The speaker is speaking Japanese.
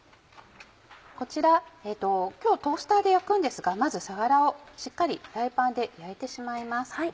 こちら今日トースターで焼くんですがまずさわらをしっかりフライパンで焼いてしまいます。